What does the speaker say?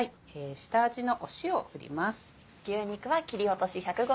下味の塩を振ります。